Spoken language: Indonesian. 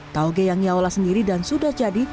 tauge yang ia olah sendiri dan sudah jadi